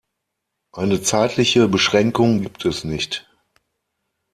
Eine zeitliche Beschränkung gibt es nicht.